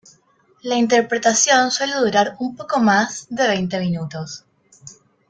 La interpretación suele durar un poco más de veinte minutos.